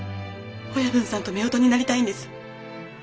親分さんと夫婦になりたいんです。